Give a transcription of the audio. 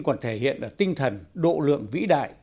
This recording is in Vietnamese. còn thể hiện ở tinh thần độ lượng vĩ đại